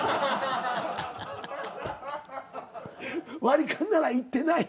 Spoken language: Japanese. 割り勘なら行ってない？